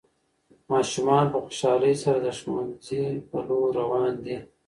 ماشومان په خوشحالۍ سره د ښوونځي په لور روان دي.